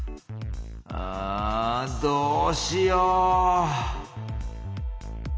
あどうしよう？